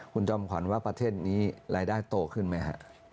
คุณจอมขวัญว่าประเทศนี้รายได้โตขึ้นไหมฮะ